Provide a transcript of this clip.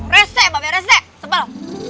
resek mbak bek resek sebal